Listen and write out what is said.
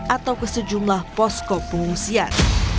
atau ke sejumlah posko pengungsian